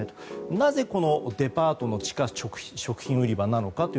なぜこのデパートの地下食品売り場なのか。